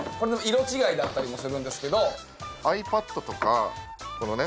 色違いだったりもするんですけどｉＰａｄとかこのね